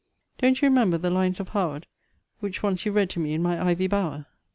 Don't you remember the lines of Howard, which once you read to me in my ivy bower?